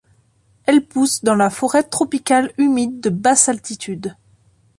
Elle pousse dans la forêt tropicale humide de basse altitude.